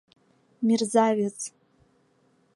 — Мерзавец!